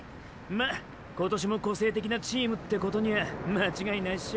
まあ今年も個性的なチームってことには間違いないっショ。